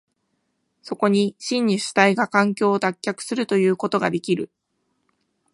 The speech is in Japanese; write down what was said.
そこに真に主体が環境を脱却するということができる。